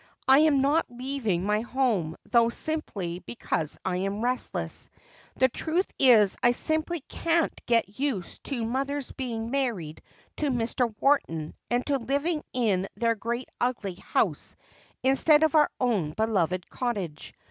I am not leaving my home though simply because I am restless. The truth is I simply can't get used to mother's being married to Mr. Wharton and to living in their great ugly house instead of our own beloved cottage.